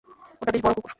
ওটা বেশ বড় কুকুর।